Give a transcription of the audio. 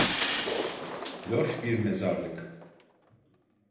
Loş bir mezarlık...